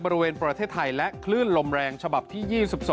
บริเวณประเทศไทยและคลื่นลมแรงฉบับที่๒๒